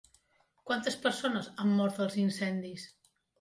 Quantes persones han mort als incendis?